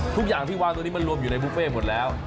ทุกอย่างที่วางตรงนี้มันรวมอยู่ในบุฟเฟ่หมดแล้ว